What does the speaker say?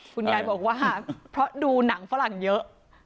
คุณยายบอกว่าเพราะดูหนังฝรั่งเยอะ